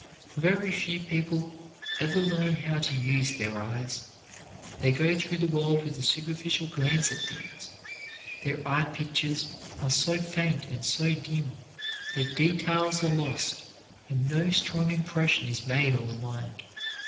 Very few people ever learn how to use their eyes. They go through the world with a superficial glance at things; their eye pictures are so faint and so dim that details are lost and no strong impression is made on the mind.